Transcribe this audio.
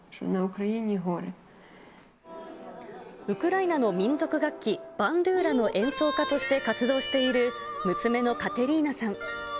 ウクライナの民族楽器、バンドゥーラの演奏家として活動している、娘のカテリーナさん。